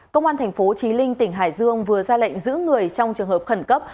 công an tp chí linh tỉnh hải dương vừa ra lệnh giữ người trong trường hợp khẩn cấp